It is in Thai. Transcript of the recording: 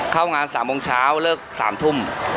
เข้างาน๓โมงเช้าเลิก๓ทุ่ม